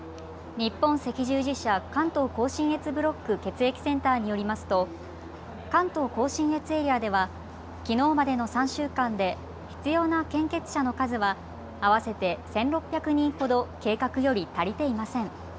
日本赤十字社関東甲信越ブロック血液センターによりますと関東甲信越エリアではきのうまでの３週間で必要な献血者の数は合わせて１６００人ほど計画より足りていません。